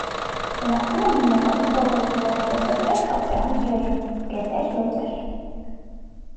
Բնակվում են հիմնականում ծովերում, որոշ տեսակներ՝ քաղցրահամ ջրերում (գետեր, լճեր)։